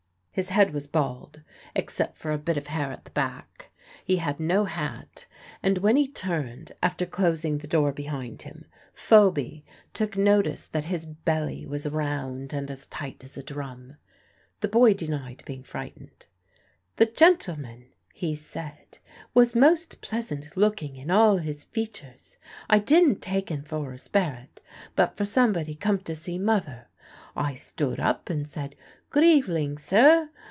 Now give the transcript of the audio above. His head was bald, except for a bit of hair at the back; he had no hat; and when he turned, after closing the door behind him, Phoby took notice that his belly was round and as tight as a drum. The boy denied being frightened; "the gentleman," he said, "was most pleasant looking in all his features. I didn't take 'en for a sperat, but for somebody come to see mother. I stood up and said, 'Good eveling, sir.